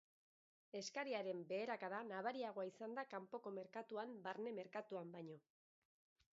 Eskariaren beherakada nabariagoa izan da kanpoko merkatuan barne merkatuan baino.